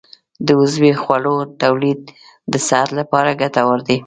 د عضوي خوړو تولید د صحت لپاره ګټور دی.